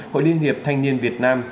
hội liên hiệp thanh niên việt nam